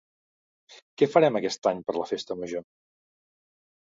Què farem aquest any per la Festa Major?